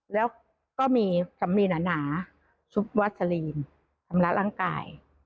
แล้วก็มีสำลีนอาหนะชุบวัดสรีนทำรักร่างกาย